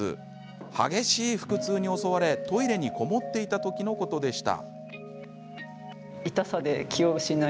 激しい腹痛に襲われ、トイレに籠もっていた時のことでした。